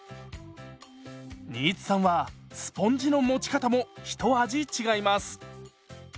新津さんはスポンジの持ち方も一味違います。